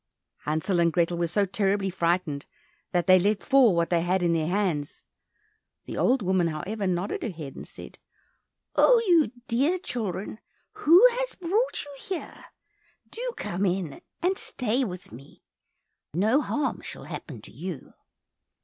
Hansel and Grethel were so terribly frightened that they let fall what they had in their hands. The old woman, however, nodded her head, and said, "Oh, you dear children, who has brought you here? Do come in, and stay with me. No harm shall happen to you."